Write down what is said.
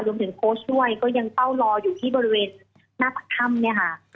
โค้ชด้วยก็ยังเฝ้ารออยู่ที่บริเวณหน้าปากถ้ำเนี่ยค่ะ